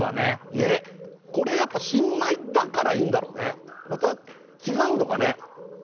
ねっこれやっぱ新米だからいいんだろうねまた違うのかね？